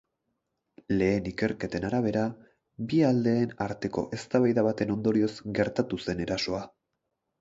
Lehen ikerketen arabera, bi aldeen arteko eztabaida baten ondorioz gertatu zen erasoa.